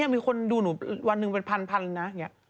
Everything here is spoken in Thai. มีคนดูหนูวันหนึ่งเป็นพันนะ